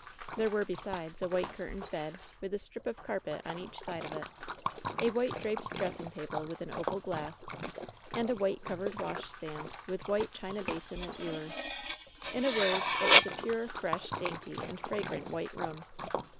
There were, besides, a whiteKmrtained bed, with a strip of carpet on each side of it; a white draped dressing table with an oval glass, and a white* covered washstand, with white china basin and ewer. In a word, it was a pure, fresh, dainty, and fragrant white room.